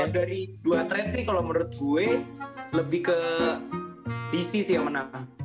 kalo dari dua trend sih kalo menurut gue lebih ke dc sih yang menang kan